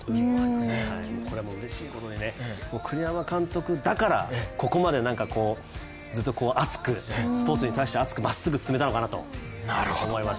これはうれしいことで栗山監督だからここまでずっと熱く、スポーツに対してまっすぐ熱く進めたのかなと思います。